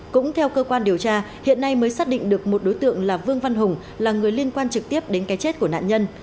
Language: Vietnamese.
cũng theo cơ quan điều tra hiện nay mới xác định được một đối tượng là vương văn hùng là người liên quan trực tiếp đến cái chết của nạn nhân